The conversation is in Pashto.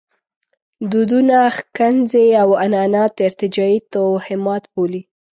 دودونه ښکنځي او عنعنات ارتجاعي توهمات بولي.